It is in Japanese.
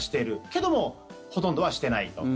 けども、ほとんどはしてないと。